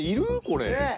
これ。